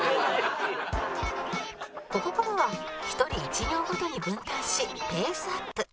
ここからは一人１行ごとに分担しペースアップ